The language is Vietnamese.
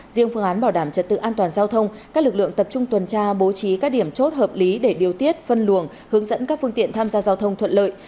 riêng phương án bảo đảm trật tự an toàn giao thông các lực lượng tập trung tuần tra bố trí các điểm chốt hợp lý để điều tiết phân luồng hướng dẫn các phương tiện tham gia giao thông thuận lợi